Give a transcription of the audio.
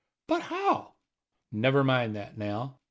But how?" "Never mind that now.